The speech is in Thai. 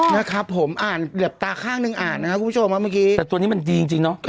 นะครับผมอ่านเกือบตาข้างหนึ่งอ่านนะครับคุณผู้ชมว่าเมื่อกี้แต่ตัวนี้มันดีจริงเนาะ